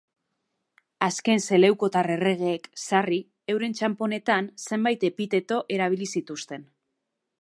Azken seleukotar erregeek, sarri, euren txanponetan zenbait epiteto erabili zituzten.